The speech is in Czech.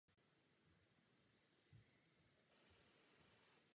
Během první hodiny sopečné erupce uniklo ze sopky obrovské množství sopečných plynů.